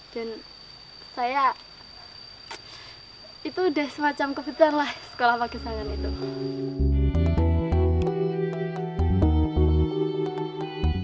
dan saya itu sudah semacam kebetulan lah sekolah pagesangan itu